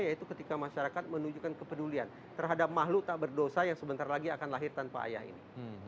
yaitu ketika masyarakat menunjukkan kepedulian terhadap makhluk tak berdosa yang sebentar lagi akan lahir tanpa ayah ini